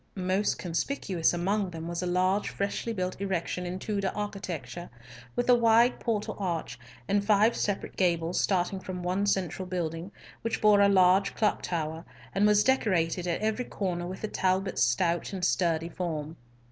Most conspicuous among them was a large freshly built erection in Tudor architecture, with a wide portal arch, and five separate gables starting from one central building, which bore a large clock tower, and was decorated at every corner with the Talbots' stout and sturdy form.